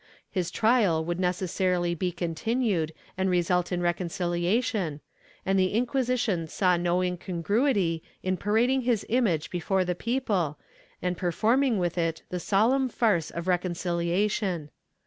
His trial would necessarily be continued and result in reconciliation, and the Inquisition saw no incongruity in parading his image before the people, and per forming with it the solemn farce of reconciliation.